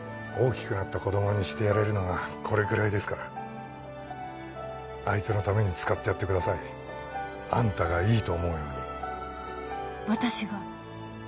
大きくなった子供にしてやれるのはこれくらいですからあいつのために使ってやってくださいあんたがいいと思うように私が？